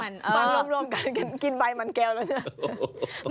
มารวมกันกินใบมันแก้วแล้วใช่ไหม